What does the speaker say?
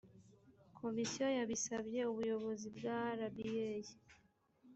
komisiyo yabisabye ubuyobozi bwa rba